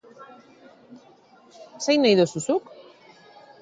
Zein nahi duzu zuk?